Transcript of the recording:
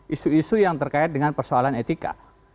isu isu yang terkait dengan persoalan etika